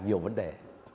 nhiều vấn đề